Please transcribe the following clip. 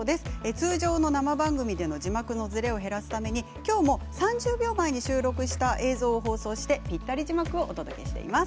通常の生番組での字幕のずれを減らすためにきょうも３０秒前に収録した映像を放送してぴったり字幕でお届けします。